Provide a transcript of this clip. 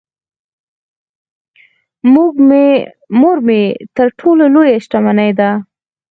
مور مې تر ټولو لويه شتمنی ده .